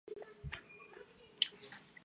他知道我的极限